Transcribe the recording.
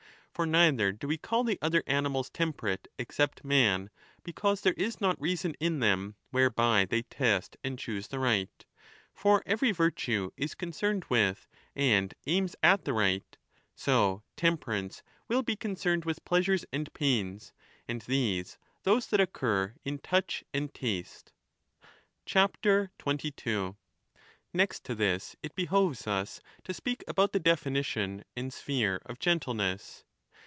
For neither do we call the other animals temperate except man, because there is not reason in them whereby they test and choose the right For every virtue is concerned with and aims at the right. 20 So temperance will be concerned with pleasures and pains, and these those that occur in touch and taste. 22 Next to this it behoves us to speak about the definition and sphere of gentleness.